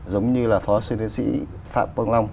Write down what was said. giống như là phó sư thiên sĩ phạm quang long